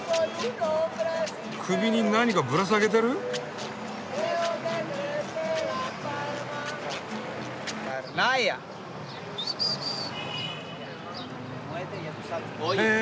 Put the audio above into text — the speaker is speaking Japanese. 首に何かぶら下げてる？へ。